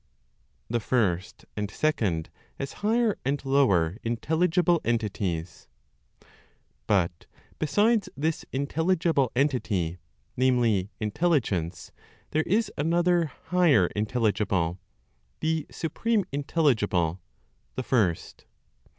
THE FIRST AND SECOND AS HIGHER AND LOWER INTELLIGIBLE ENTITIES. But besides this intelligible (entity, namely, intelligence), there is another (higher) intelligible (the supreme Intelligible, the First).